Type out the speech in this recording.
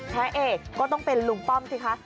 พระเอกก็ต้องเป็นลุงป้อมสิคะ